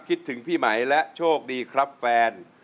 คิดถึงพี่ไหมและโชคดีครับแฟน